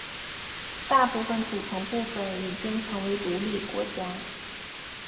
大部分组成部分已经成为独立国家。